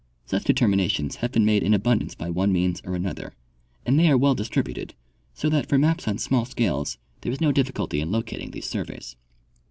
Such determinations have been made in abundance by one means or another, and they are well distributed ; so that for maps on small scales there is no difhculty in locating these surveys.